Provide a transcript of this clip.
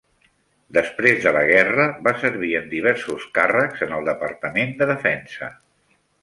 Després de la guerra, va servir en diversos càrrecs en el Departament de Defensa.